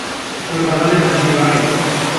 চোর পালালে বুদ্ধি বাড়ে।